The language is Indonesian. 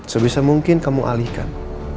sebisa mungkin kamu alihkan